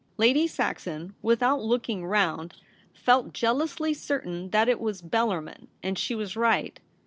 Lady Saxon, without looking round, felt jealously certain that it was Bellarmin, and she was right.